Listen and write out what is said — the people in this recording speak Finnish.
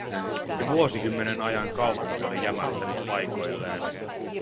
Jo vuosikymmenen ajan kaupunki oli jämähtänyt paikoilleen.